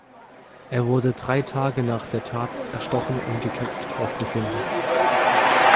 Er wurde drei Tage nach der Tat erstochen und geköpft aufgefunden.